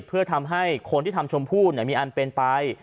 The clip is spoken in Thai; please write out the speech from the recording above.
เพื่อทำให้คนที่ทำชมพู่มีอันเป็นไป